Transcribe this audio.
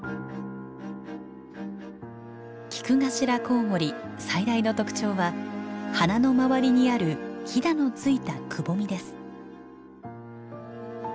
キクガシラコウモリ最大の特徴は鼻の周りにあるヒダの付いたくぼみです。